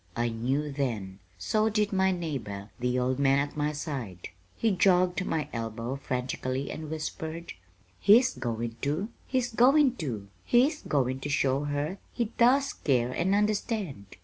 I knew then. So did my neighbor, the old man at my side. He jogged my elbow frantically and whispered: "He's goin' to he's goin' to! He's goin' to show her he does care and understand!